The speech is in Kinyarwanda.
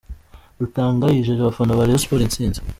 Rutanga yijeje abafana ba Rayon Sports intsinzi.